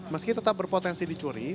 meski tetap berpotensi dicuri